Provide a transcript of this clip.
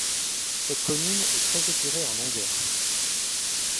Cette commune est très étirée en longueur.